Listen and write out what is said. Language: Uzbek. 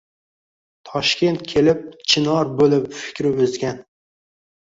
Toshkent kelib, chinor bo‘lib fikri o‘zgan